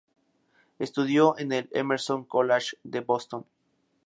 Estudió en el Emerson College de Boston.